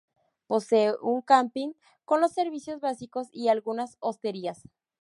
Posee un camping con los servicios básicos y algunas hosterías.